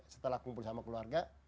setelah kumpul sama keluarga